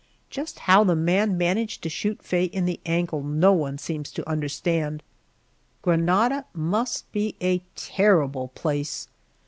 Just how the man managed to shoot Faye in the ankle no one seems to understand. Granada must be a terrible place!